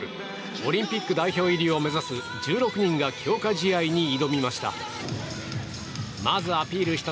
オリンピック代表入りを目指す１６人が強化試合に挑みました。